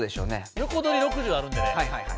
「よこどり６０」あるんでね